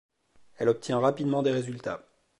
Elle obtient rapidement des résultats.